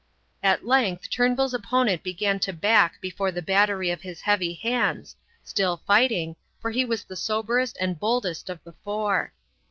At length Turnbull's opponent began to back before the battery of his heavy hands, still fighting, for he was the soberest and boldest of the four.